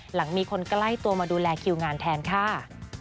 หลังมีคนใกล้ตัวมาดูแลคิวงานแทนค่ะ